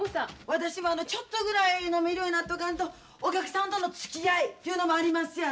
私もちょっとぐらい飲めるようになっとかんとお客さんとのつきあいちゅうのもありますやろ。